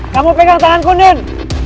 kamu pegang tanganku din